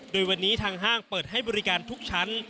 โดยวันนี้ทางห้างเปิดให้บริการทุกชั้น